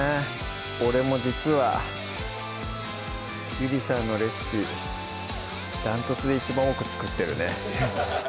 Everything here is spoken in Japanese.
俺も実はゆりさんのレシピ断トツで一番多く作ってるね